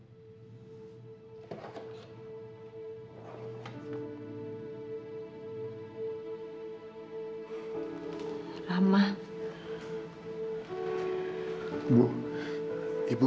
gak ada apa apa